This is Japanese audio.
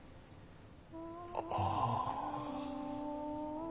ああ。